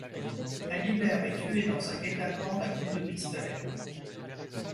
Alybert est tué dans un guet-apens d’un coup de pistolet.